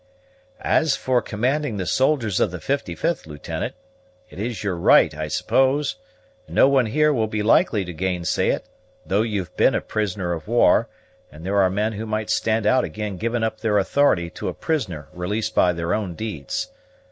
"As for commanding the soldiers of the 55th, Lieutenant, it is your right, I suppose, and no one here will be likely to gainsay it; though you've been a prisoner of war, and there are men who might stand out ag'in giving up their authority to a prisoner released by their own deeds.